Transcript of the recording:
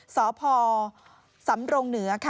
สาวพอร์สำรงเหนือ